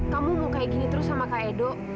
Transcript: kamu mau kayak gini terus sama kak edo